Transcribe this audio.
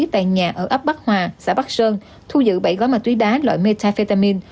tại nhà ở ấp bắc hòa xã bắc sơn thu giữ bảy gói ma túy đá loại metafetamin